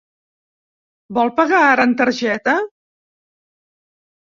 Vol pagar ara en targeta?